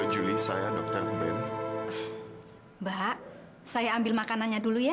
juli saya dokter ben mbak saya ambil makanannya dulu ya